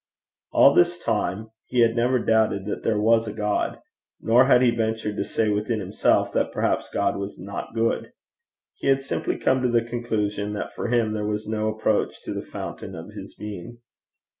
All this time he had never doubted that there was God; nor had he ventured to say within himself that perhaps God was not good; he had simply come to the conclusion that for him there was no approach to the fountain of his being.